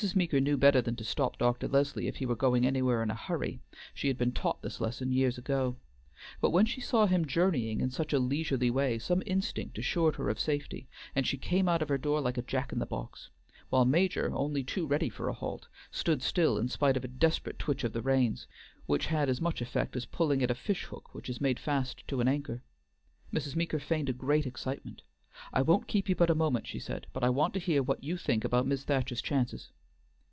Meeker knew better than to stop Dr. Leslie if he were going anywhere in a hurry; she had been taught this lesson years ago; but when she saw him journeying in such a leisurely way some instinct assured her of safety, and she came out of her door like a Jack in the box, while old Major, only too ready for a halt, stood still in spite of a desperate twitch of the reins, which had as much effect as pulling at a fish hook which has made fast to an anchor. Mrs. Meeker feigned a great excitement. "I won't keep you but a moment," she said, "but I want to hear what you think about Mis' Thacher's chances."